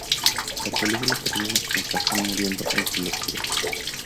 La película termina con Hassan muriendo en su locura.